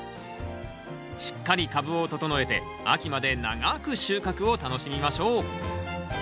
しっかり株を整えて秋まで長く収穫を楽しみましょう。